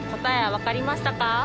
答えは分かりましたか？